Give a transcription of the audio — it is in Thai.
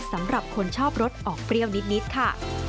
สำหรับคนชอบรสออกเปรี้ยวนิดค่ะ